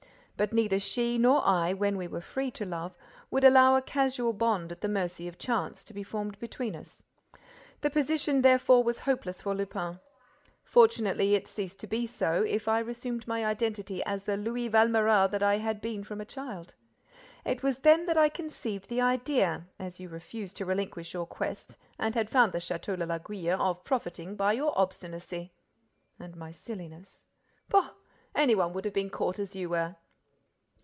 But neither she nor I, when we were free to love, would allow a casual bond at the mercy of chance, to be formed between us. The position, therefore, was hopeless for Lupin. Fortunately, it ceased to be so if I resumed my identity as the Louis Valméras that I had been from a child. It was then that I conceived the idea, as you refused to relinquish your quest and had found the Château de l'Aiguille, of profiting by your obstinacy." "And my silliness." "Pooh! Any one would have been caught as you were!"